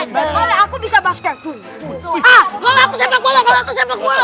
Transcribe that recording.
betul tidak boleh aku bisa basket kalau aku sepak bola kalau aku sepak bola